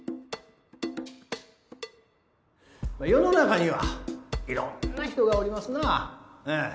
世の中にはいろんな人がおりますなぁ。